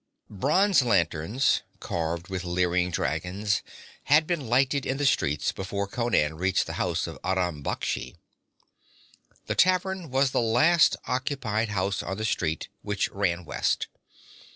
Bronze lanterns, carved with leering dragons, had been lighted in the streets before Conan reached the house of Aram Baksh. The tavern was the last occupied house on the street, which ran west.